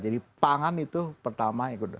jadi pangan itu pertama